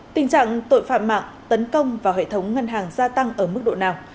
tình trạng tội phạm mạng tấn công vào hệ thống ngân hàng gia tăng ở mức độ nào